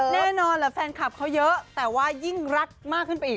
แน่นอนแหละแฟนคลับเขาเยอะแต่ว่ายิ่งรักมากขึ้นไปอีก